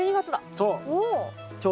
そう。